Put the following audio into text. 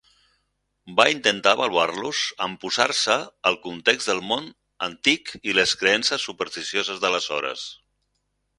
Va intentar avaluar-los en posar-se al context del món antic i les creences supersticioses d'aleshores.